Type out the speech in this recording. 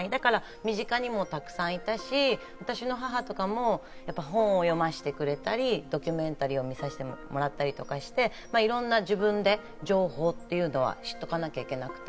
身近にもたくさんいたし、私の母とかも本を読ませてくれたり、ドキュメンタリーを見させてもらったりとかして、自分でいろんな情報というのは知っておかなきゃいけなくて。